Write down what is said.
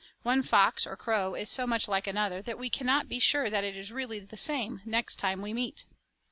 One fox or crow is so much like another that we cannot be sure that it really is the same next time we meet.